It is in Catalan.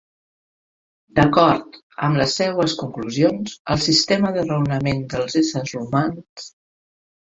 D'acord amb les seues conclusions, el sistema de raonament dels éssers humans...